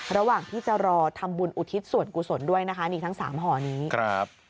ระหว่างที่จะรอทำบุญอุทิศส่วนกุศลด้วยนะคะนี่ทั้งสามห่อนี้ครับ